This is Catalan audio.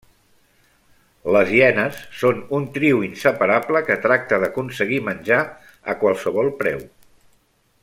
Les hienes són un trio inseparable que tracta d'aconseguir menjar a qualsevol preu.